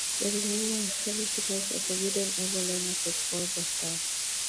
The reunion initially featured the "Forbidden Evil" line-up without Paul Bostaph.